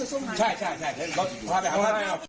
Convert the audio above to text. ใช่ใช่ใช่พาไปหาพระอาทิตย์